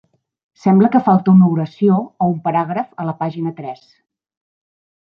Sembla que falta una oració o un paràgraf a la pàgina tres.